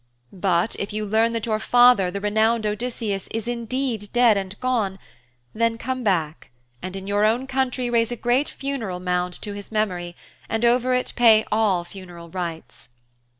But if you learn that your father, the renowned Odysseus, is indeed dead and gone, then come back, and in your own country raise a great funeral mound to his memory, and over it pay all funeral rites.